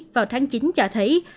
vào tháng chín cho thấy